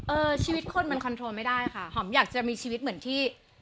ชีวิตคนมันคอนโทรไม่ได้ค่ะหอมอยากจะมีชีวิตเหมือนที่